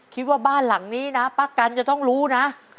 คิดว่าบ้านหลังนี้นะป้ากันจะต้องรู้นะ